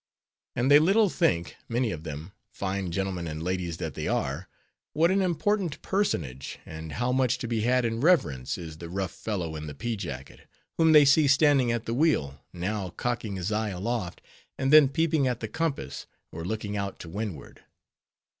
And they little think, many of them, fine gentlemen and ladies that they are, what an important personage, and how much to be had in reverence, is the rough fellow in the pea jacket, whom they see standing at the wheel, now cocking his eye aloft, and then peeping at the compass, or looking out to windward.